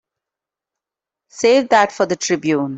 Save that for the Tribune.